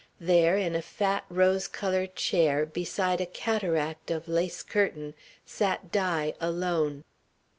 There, in a fat, rose coloured chair, beside a cataract of lace curtain, sat Di, alone.